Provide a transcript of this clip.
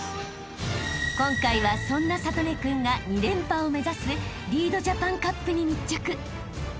［今回はそんな智音君が２連覇を目指すリードジャパンカップに密着］